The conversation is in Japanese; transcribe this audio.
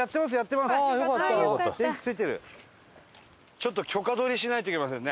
ちょっと許可取りしないといけませんね。